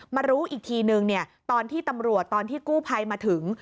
มารู้อีกทีนึงตอนที่ตำรวจตอนที่กู้ภัยมาถึง